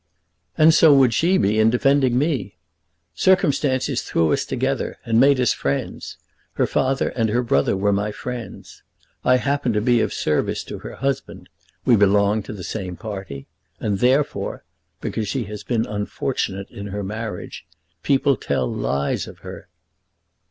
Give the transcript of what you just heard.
"And so would she be in defending me. Circumstances threw us together and made us friends. Her father and her brother were my friends. I happened to be of service to her husband. We belonged to the same party. And therefore because she has been unfortunate in her marriage people tell lies of her."